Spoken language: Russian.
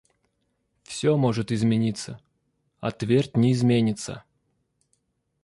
Всё может измениться, а твердь не изменится.